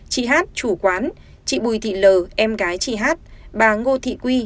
chị hát chủ quán chị bùi thị l em gái chị hát bà ngô thị quy